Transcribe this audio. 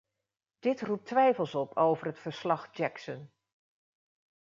Dit roept twijfels op over het verslag-Jackson.